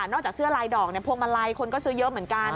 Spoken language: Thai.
จากเสื้อลายดอกพวงมาลัยคนก็ซื้อเยอะเหมือนกัน